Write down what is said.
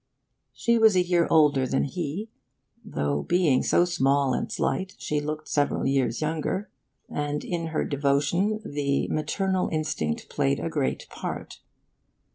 She was a year older than he (though, being so small and slight, she looked several years younger), and in her devotion the maternal instinct played a great part.